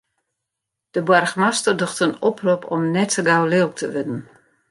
De boargemaster docht in oprop om net sa gau lilk te wurden.